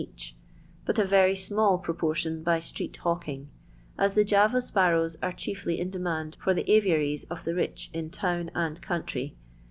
each, but a very small proportion by streetrhawking, as the JaTa sparrows are chiefly in demand for the ariaries of the rich in town and country.